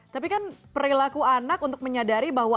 tapi kan perilaku anak untuk menyadari bahwa